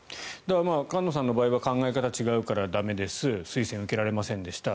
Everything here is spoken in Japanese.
菅野さんの場合は考え方が違うから駄目です推薦受けられませんでした。